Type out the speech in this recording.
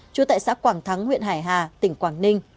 trú tại xã quảng thắng huyện hải hà tỉnh quảng ninh